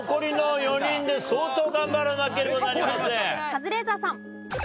カズレーザーさん。